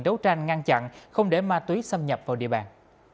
đấu tranh ngăn chặn không để ma túy xâm nhập vào địa bàn